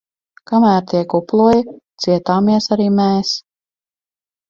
Kamēr tie kuploja, cietāmies arī mēs!